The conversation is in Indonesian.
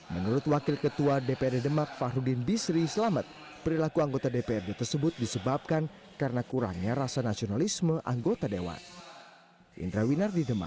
menurut wakil ketua dprd demak fahrudin bisri selamat perilaku anggota dprd tersebut disebabkan karena kurangnya rasa nasionalisme anggota dewan